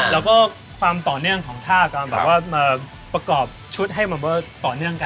แล้วก็ความต่อเนื่องของท่าการประกอบชุดให้มันต่อเนื่องกัน